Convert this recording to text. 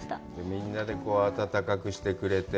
みんなで温かくしてくれて。